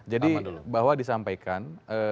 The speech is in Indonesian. jadi bahwa disampaikan